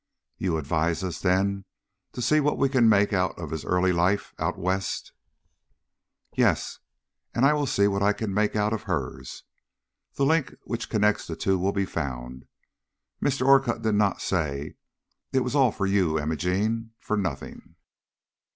"You advise us, then, to see what we can make out of his early life out West?" "Yes; and I will see what I can make out of hers. The link which connects the two will be found. Mr. Orcutt did not say: 'It was all for you, Imogene,' for nothing."